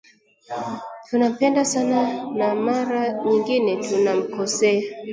Tunampenda sana na mara nyingine tunamkosea